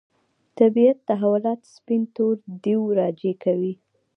طبیعت تحولات سپین تور دېو راجع کوي.